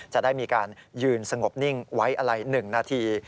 จะได้มีการยืนสงบนิ่งไว้อะไร๑นาที